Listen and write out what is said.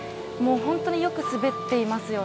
本当によく滑っています。